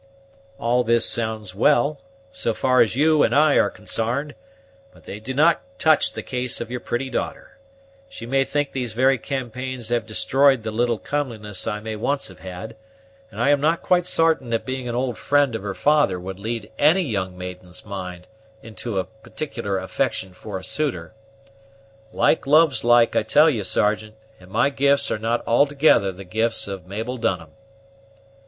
"All this sounds well, so far as you and I are consarned; but they do not touch the case of your pretty daughter. She may think these very campaigns have destroyed the little comeliness I may once have had; and I am not quite sartain that being an old friend of her father would lead any young maiden's mind into a particular affection for a suitor. Like loves like, I tell you, Sergeant; and my gifts are not altogether the gifts of Mabel Dunham."